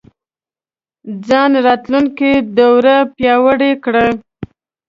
ځان راتلونکو دورو پیاوړی کړي